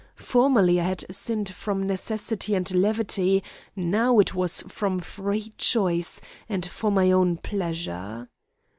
Formerly I had sinned from necessity and levity, now it was from free choice, and for my own pleasure.